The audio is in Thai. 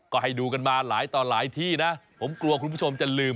ก็ให้ดูกันมาหลายต่อหลายที่นะผมกลัวคุณผู้ชมจะลืม